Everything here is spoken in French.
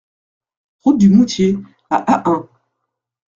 Route du Moutier à Ahun